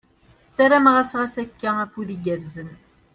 Ssarameɣ-as ɣas akka, afud igerrzen !